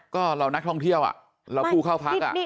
ก็เรานักท่องเที่ยวเราผู้เข้าพัก